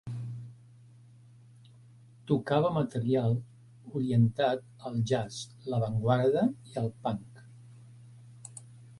Tocava material orientat al jazz, l'avantguarda i el punk.